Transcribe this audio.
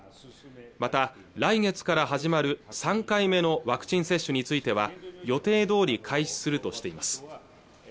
また来月から始まる３回目のワクチン接種については予定どおり開始するとしています